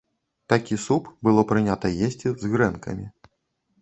Такі суп было прынята есці з грэнкамі.